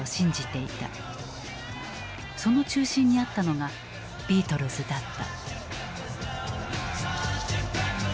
その中心にあったのがビートルズだった。